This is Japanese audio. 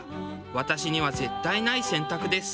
私には絶対ない選択です。